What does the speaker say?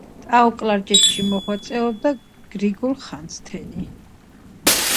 აირჩიეს ხელმძღვანელი კომიტეტი.